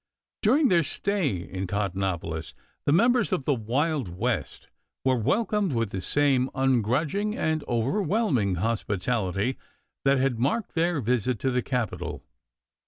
During their stay in "Cottonopolis" the members of the Wild West were welcomed with the same ungrudging and overwhelming hospitality that had marked their visit to the capital.